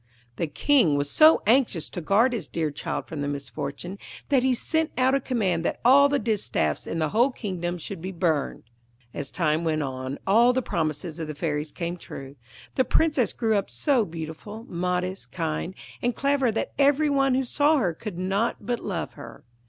'] The King was so anxious to guard his dear child from the misfortune, that he sent out a command that all the distaffs in the whole kingdom should be burned. [Illustration: {The King could not contain himself for joy.}] As time went on all the promises of the fairies came true. The Princess grew up so beautiful, modest, kind, and clever that every one who saw her could not but love her.